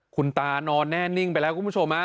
คุณตานอนแน่นิ่งไปแล้วคุณผู้ชมฮะ